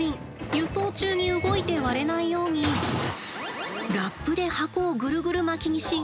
輸送中に動いて割れないようにラップで箱をぐるぐる巻きにしがっちりと固定。